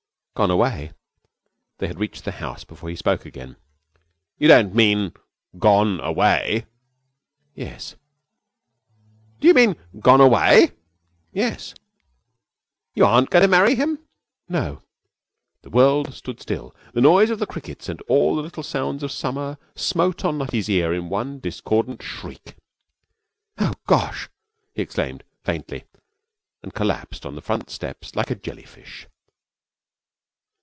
'Gone away.' They had reached the house before he spoke again. 'You don't mean gone away?' 'Yes.' 'Do you mean gone away?' 'Yes.' 'You aren't going to marry him?' 'No.' The world stood still. The noise of the crickets and all the little sounds of summer smote on Nutty's ear in one discordant shriek. 'Oh, gosh!' he exclaimed, faintly, and collapsed on the front steps like a jelly fish.